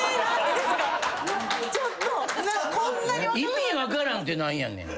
「意味分からん」って何やねん。